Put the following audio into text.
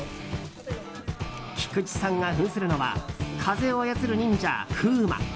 菊池さんが扮するのは風を操る忍者、風魔。